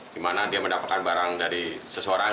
di mana dia mendapatkan barang dari seseorang